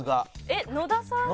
えっ野田さん。